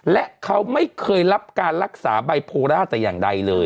และเขาไม่เคยรับการรักษาไบโพล่าแต่อย่างใดเลย